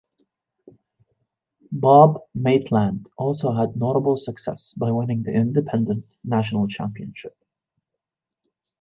Bob Maitland also had notable success by winning the Independent National Championship.